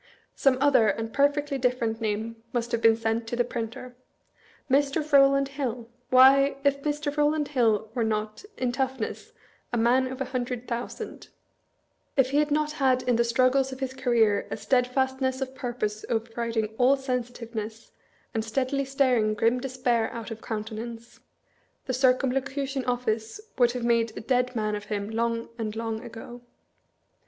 Some other and perfectly different name must have been sent to the printer. Mr. Eowland Hill ! Why, if Mr. MISPRINT IN THE EDINBtJKGH REVIEW. 281 Rowland Hill were not, in toughness, a man of a hundred thousand ; if he had not had in the struggles of his career a steadfastness of purpose overriding all sensitiveness, and steadily staring grim despair out of countenance, the Cir cumlocution Office would have made a dead man of him long and long ago.